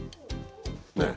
ねえ。